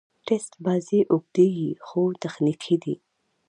ټېسټ بازي اوږدې يي، خو تخنیکي دي.